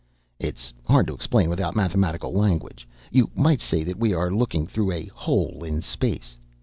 "It's hard to explain without mathematical language. You might say that we are looking through a hole in space.